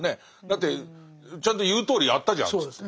だってちゃんと言うとおりやったじゃんっつって。